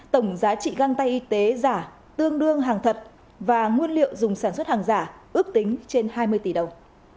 tổng giá trị găng tay y tế giả tương đương hàng thật và nguyên liệu dùng sản xuất hàng giả ước tính trên hai mươi tỷ đồng